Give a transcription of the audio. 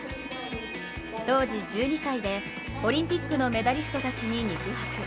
当時１２歳で、オリンピックのメダリストたちに肉薄。